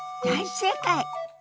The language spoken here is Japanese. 大正解！